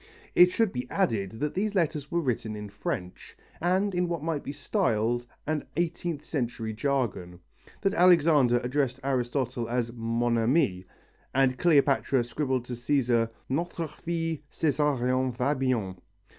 It should be added that the letters were written in French and in what might be styled an eighteenth century jargon, that Alexander addressed Aristotle as Mon Ami and Cleopatra scribbled to Cæsar: Notre fils Cesarion va bien.